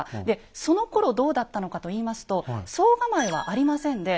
でそのころどうだったのかと言いますと総構はありません